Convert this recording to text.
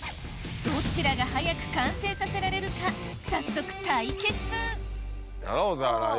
どちらが早く完成させられるか早速対決やろうぜ新井。